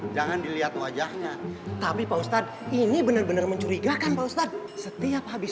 jangan dilihat wajahnya tapi pak ustadz ini benar benar mencurigakan pak ustadz setiap habis